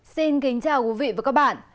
xin kính chào quý vị và các bạn